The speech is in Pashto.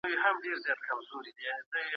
تکړه ليکوال خپل نوی ټولنيز ناول چاپ کړی دی.